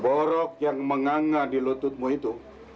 borok yang menganga di lututmu itu